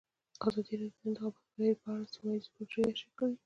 ازادي راډیو د د انتخاباتو بهیر په اړه سیمه ییزې پروژې تشریح کړې.